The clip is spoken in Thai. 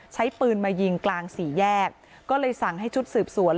ใช้ปืนมายิงกลางสี่แยกก็เลยสั่งให้ชุดสืบสวน